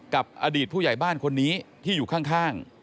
กับอดีตผู้ใหญ่บ้านคนนี้ที่อยู่ข้าง